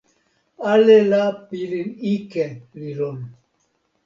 ale la pilin ike li lon.